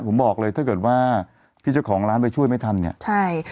ผมบอกเลยถ้าเกิดว่าพี่เจ้าของร้านไปช่วยไม่ทันเนี่ยใช่